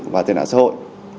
và tệ nạn xã hội